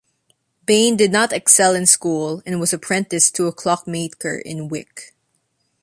Bain did not excel in school and was apprenticed to a clockmaker in Wick.